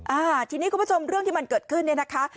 อ่าทีนี้คุณผู้ชมเรื่องที่มันเกิดขึ้นเนี่ยนะคะ